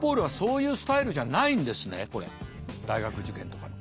大学受験とかの。